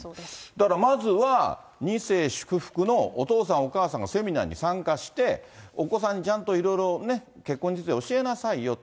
だからまずは、２世祝福のお父さん、お母さんがセミナーに参加して、お子さんちゃんといろいろね、結婚について教えなさいよと。